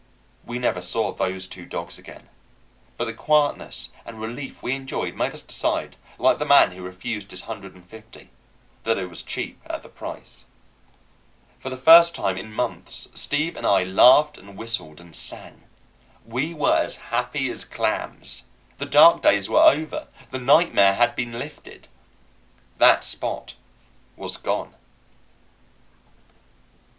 We never saw those two dogs again; but the quietness and relief we enjoyed made us decide, like the man who refused his hundred and fifty, that it was cheap at the price. For the first time in months Steve and I laughed and whistled and sang. We were as happy as clams. The dark days were over. The nightmare had been lifted. That Spot was gone.